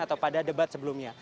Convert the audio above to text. atau pada debat sebelumnya